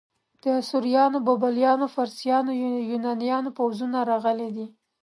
د اسوریانو، بابلیانو، فارسیانو، یونانیانو پوځونه راغلي.